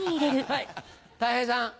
はいたい平さん。